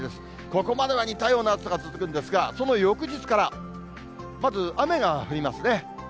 ここまでは似たような暑さが続くんですが、その翌日から、まず雨が降りますね。